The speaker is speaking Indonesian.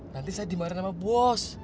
nanti saya dimarahin sama bos